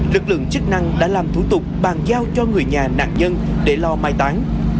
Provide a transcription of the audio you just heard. lực lượng chức năng đã làm thủ tục bàn giao cho người nhà nạn nhân để lo mai tán